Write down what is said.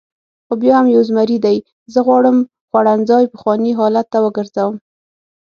خو بیا هم یو زمري دی، زه غواړم خوړنځای پخواني حالت ته وګرځوم.